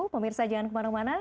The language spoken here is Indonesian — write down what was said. pemirsa jangan kemana mana